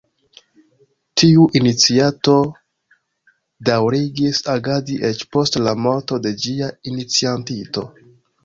Tiu iniciato daŭrigis agadi eĉ post la morto de ĝia iniciatinto.